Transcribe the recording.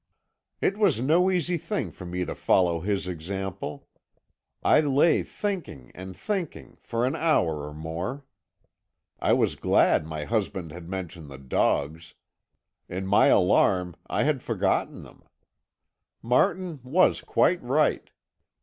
"It was no easy thing for me to follow his example. I lay thinking and thinking for an hour or more. I was glad my husband had mentioned the dogs; in my alarm I had forgotten them. Martin was quite right.